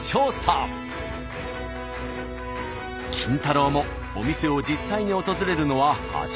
キンタロー。もお店を実際に訪れるのは初めて。